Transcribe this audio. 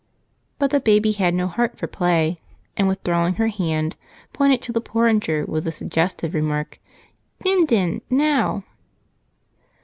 But baby had no heart for play and, withdrawing her hand, pointed to the porringer with the suggestive remark: "Din din, now."